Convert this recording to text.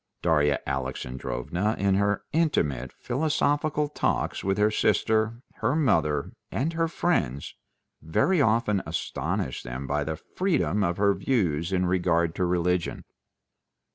Darya Alexandrovna in her intimate, philosophical talks with her sister, her mother, and her friends very often astonished them by the freedom of her views in regard to religion.